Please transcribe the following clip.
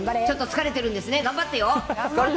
ちょっと疲れてるんですね、頑張ってよ。